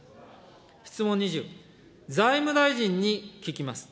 質問２０、財務大臣に聞きます。